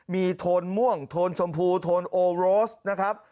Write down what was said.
มีโทนม่วงโทนชมพูโทนโอโรสนะครับ